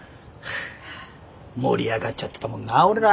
盛り上がっちゃってたもんな俺ら。